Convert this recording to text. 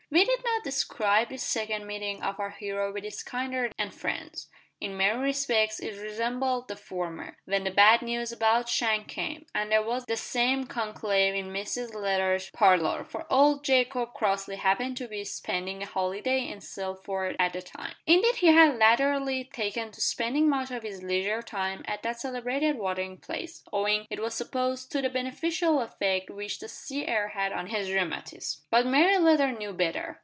We need not describe this second meeting of our hero with his kindred and friends. In many respects it resembled the former, when the bad news about Shank came, and there was the same conclave in Mrs Leather's parlour, for old Jacob Crossley happened to be spending a holiday in Sealford at the time. Indeed he had latterly taken to spending much of his leisure time at that celebrated watering place, owing, it was supposed, to the beneficial effect which the sea air had on his rheumatism. But May Leather knew better.